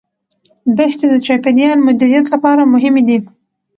دښتې د چاپیریال مدیریت لپاره مهمې دي.